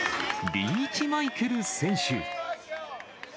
リーチマイケル選手。